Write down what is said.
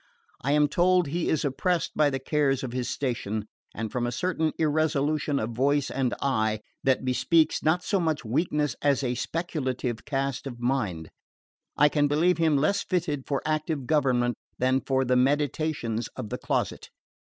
I am told he is oppressed by the cares of his station; and from a certain irresolution of voice and eye, that bespeaks not so much weakness as a speculative cast of mind, I can believe him less fitted for active government than for the meditations of the closet.